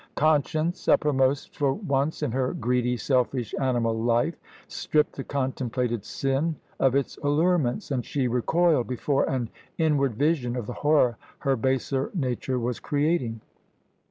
Conscience, uppermost for once in her greedy, selfish, animal life, stripped the contemplated sin of its allurements, and she recoiled before an inward vision of the horror her baser nature was creating.